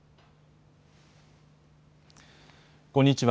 こんにちは。